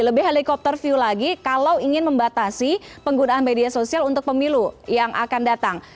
lebih helikopter view lagi kalau ingin membatasi penggunaan media sosial untuk pemilu yang akan datang